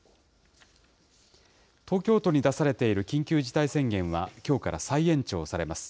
東京都に出されている緊急事態宣言はきょうから再延長されます。